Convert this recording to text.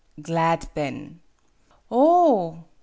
"Glad, then." "Oh!